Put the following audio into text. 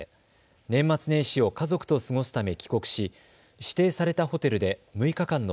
年末年始を家族と過ごすため帰国し指定されたホテルで６日間の